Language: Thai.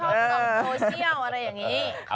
ส่งโซเชียลอะไรอย่างนี้